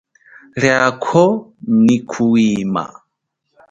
Liako nyi kuhwima.